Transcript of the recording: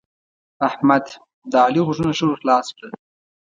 احمد؛ د علي غوږونه ښه ور خلاص کړل.